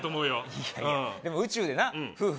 いやいや宇宙でな夫婦